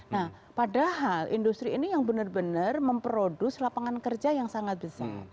nah padahal industri ini yang benar benar memprodus lapangan kerja yang sangat besar